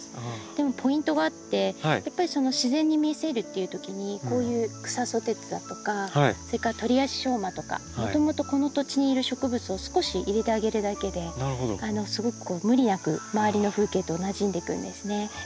でもポイントがあってやっぱり自然に見せるっていうときにこういうクサソテツだとかそれからトリアシショウマとかもともとこの土地にいる植物を少し入れてあげるだけですごく無理なく周りの風景となじんでいくんですね。